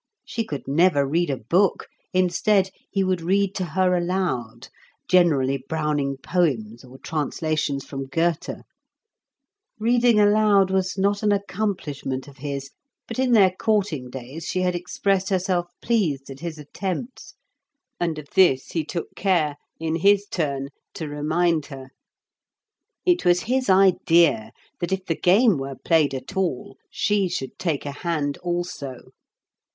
She could never read a book; instead, he would read to her aloud, generally Browning' poems or translations from Goethe. Reading aloud was not an accomplishment of his, but in their courting days she had expressed herself pleased at his attempts, and of this he took care, in his turn, to remind her. It was his idea that if the game were played at all, she should take a hand also.